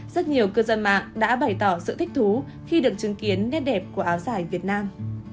rất nhiều cư dân mạng đã bày tỏ sự thích thú khi được chứng kiến nét đẹp của áo dài việt nam